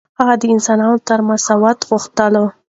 هغه د انسانانو ترمنځ مساوات غوښتل.